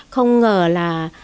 không ngờ là